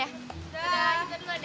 yaudah kita duluan ya